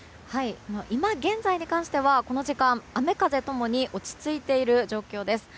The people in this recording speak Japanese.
今現在に関してはこの時間雨風ともに落ち着いている状況です。